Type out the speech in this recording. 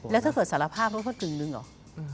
แล้วถ้าเกิดสารภาพรู้ก็กึ่งนึงเหรอ